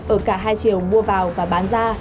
ở cả hai triệu mua vào và bán ra